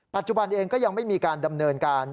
ปัจจุบันเองก็ยังไม่มีการดำเนินการ